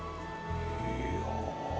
いや。